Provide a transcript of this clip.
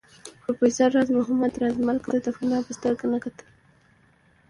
پروفېسر راز محمد راز مرګ ته د فناء په سترګه نه کتل